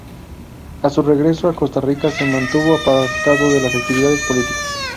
A su regreso a Costa Rica se mantuvo apartado de las actividades políticas.